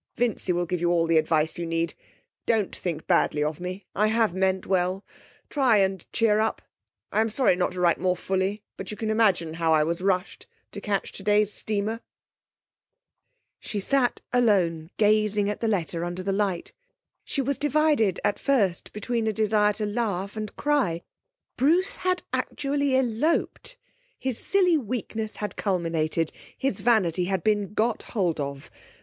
Vincy will give you all the advice you need. Don't think badly of me; I have meant well. Try and cheer up. I am sorry not to write more fully, but you can imagine how I was rushed to catch today's steamer.' She sat alone gazing at the letter under the light. She was divided at first between a desire to laugh and cry. Bruce had actually eloped! His silly weakness had culminated, his vanity had been got hold of.